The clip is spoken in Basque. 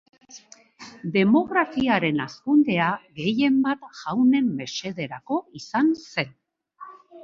Demografiaren hazkundea gehienbat jaunen mesederako izan zen.